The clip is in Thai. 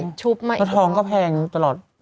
แล้วทองก็แพงตลอด